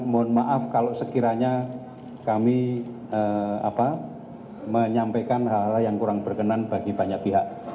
mohon maaf kalau sekiranya kami menyampaikan hal hal yang kurang berkenan bagi banyak pihak